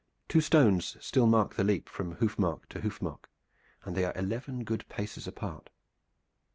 Two stones still mark the leap from hoof mark to hoof mark, and they are eleven good paces apart.